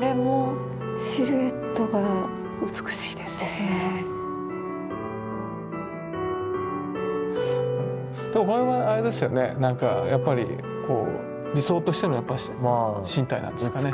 あこれもこれはあれですよねなんかやっぱりこう理想としての身体なんですかね。